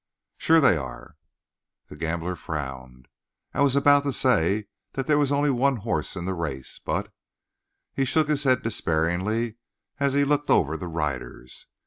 "Sure they are." The gambler frowned. "I was about to say that there was only one horse in the race, but " He shook his head despairingly as he looked over the riders.